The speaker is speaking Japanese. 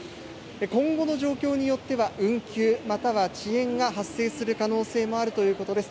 今後の状況によっては運休、または遅延が発生する可能性もあるということです。